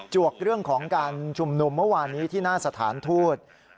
วกเรื่องของการชุมนุมเมื่อวานนี้ที่หน้าสถานทูต